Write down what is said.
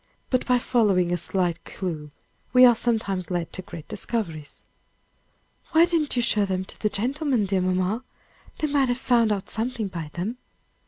But by following a slight clue, we are sometimes led to great discoveries." "Why didn't you show them to the gentlemen, dear mamma? They might have found out something by them."